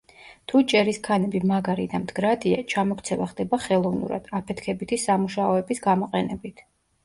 თუ ჭერის ქანები მაგარი და მდგრადია, ჩამოქცევა ხდება ხელოვნურად, აფეთქებითი სამუშაოების გამოყენებით.